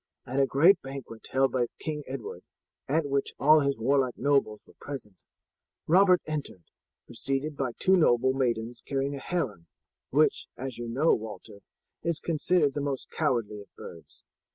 At a great banquet held by King Edward, at which all his warlike nobles were present, Robert entered, preceded by two noble maidens carrying a heron, which, as you know, Walter, is considered the most cowardly of birds.